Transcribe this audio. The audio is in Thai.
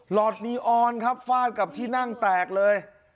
หอดนีออนครับฟาดกับที่นั่งแตกเลย